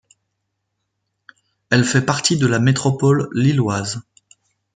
Elle fait partie de la métropole lilloise.